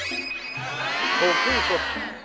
ถูกที่สุด